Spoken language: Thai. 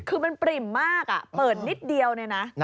คือมันปริ่มมากเปิดนิดเดียวเนี่ยนะ